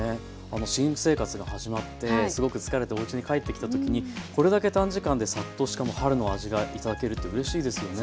新生活が始まってすごく疲れておうちに帰ってきた時にこれだけ短時間でサッとしかも春の味が頂けるってうれしいですよね。